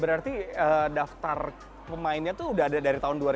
berarti daftar pemainnya tuh udah ada dari tahun dua ribu dua puluh ya